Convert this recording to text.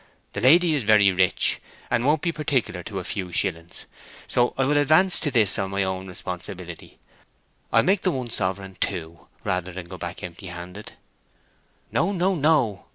"The lady is very rich, and won't be particular to a few shillings; so I will advance to this on my own responsibility—I'll make the one sovereign two, rather than go back empty handed." "No, no, no!"